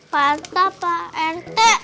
pak rt pak rt